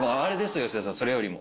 それよりも。